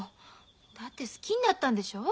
だって好きになったんでしょ？